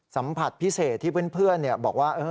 สัมผัสพิเศษที่เพื่อนบอกว่า